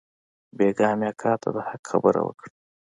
بيگاه مې اکا ته د حق خبره وکړه.